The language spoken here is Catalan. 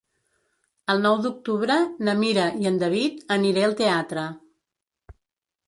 El nou d'octubre na Mira i en David aniré al teatre.